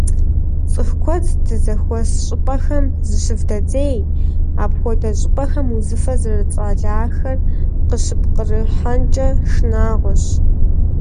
ЦӀыху куэд здызэхуэс щӀыпӀэхэм зыщывдзей, апхуэдэ щӀыпӀэхэм узыфэ зэрыцӏалэхэр къыщыппкъырыхьэнкӏэ шынагъуэщ.